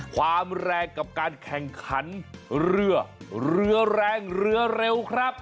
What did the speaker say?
ความแรงกับการแข่งขันเรือเรือแรงเรือเร็วครับ